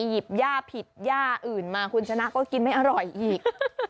หยิบย่าผิดย่าอื่นมาคุณชนะก็กินไม่อร่อยอีก